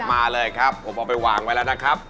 มาเลยครับผมเอาไปวางไว้แล้วนะครับ